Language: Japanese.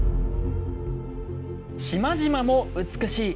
島々も美しい。